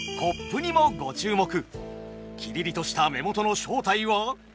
キリリとした目元の正体は。